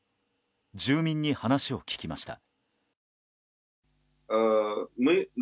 住民に話を聞きました。